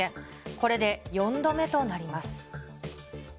これで４度目となります。